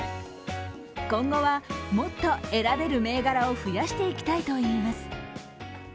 今後はもっと選べる銘柄を増やしていきたいといいます。